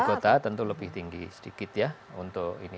kota tentu lebih tinggi sedikit ya untuk ini